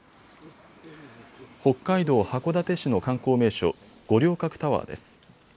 北海道函館市の観光名所五稜郭タワーです。